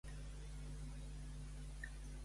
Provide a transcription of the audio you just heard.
El llibre de receptes il·lustrades Aroma àrab.